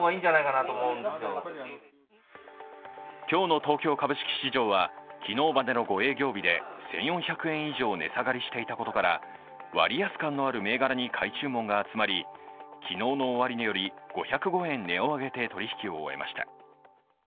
今日の東京株式市場は昨日までの５営業日で１４００円以上値下がりしていたことから割安感のある銘柄に買い注文が集まり、昨日の終値より５０５円、値を上げて取り引きを追えました。